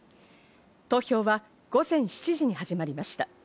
投票は午前７時に始まりました。